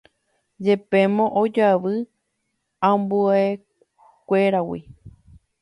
Jepémo ojoavy ambuekuéragui